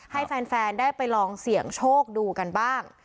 ให้แฟนได้ไปลองเสี่ยงโชคดูกันบ้าง